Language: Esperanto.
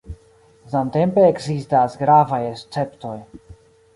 Samtempe, ekzistas gravaj esceptoj.